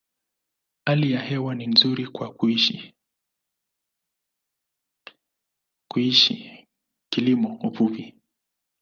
Hali ya hewa ni nzuri kwa kuishi, kilimo, uvuvi.